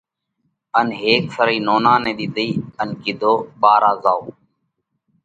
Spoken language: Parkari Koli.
ان هيڪ سرئي نونا نئہ ۮِيڌئي ان ڪِيڌو ٻارا زائو